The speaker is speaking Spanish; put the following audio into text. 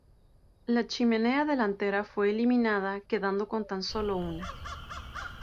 La chimenea delantera fue eliminada quedando con tan solo una.